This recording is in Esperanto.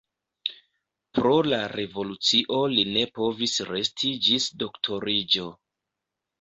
Pro la revolucio li ne povis resti ĝis doktoriĝo.